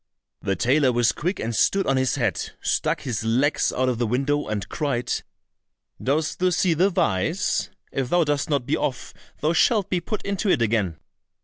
The tailor was quick and stood on his head, stuck his legs out of the window, and cried, "Dost thou see the vise? If thou dost not be off thou shalt be put into it again."